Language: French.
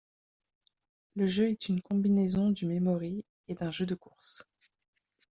Le jeu est une combinaison du Memory et d'un jeu de course.